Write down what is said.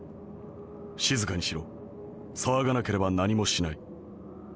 『静かにしろ騒がなければ何もしない』。